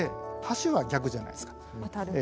橋は逆じゃないですか。